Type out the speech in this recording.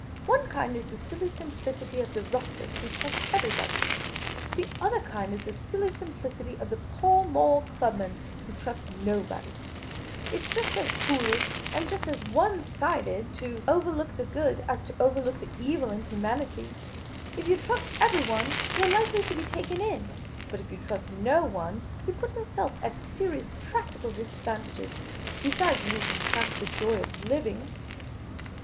" One kind is the silly simplicity of the rustic who trusts everybody ; the other kind is the silly simplicity of the Pall Mall clubman who trusts nobody. It is just as foolish and just as one sided to 2i8 Miss Cayley's Adventures overlook the good as to overlook the evil in humanity. If you trust everyone, you are likely to be taken in ; but if you trust no one, you put yourself at a serious practical disad vantage, besides losing half the joy of living."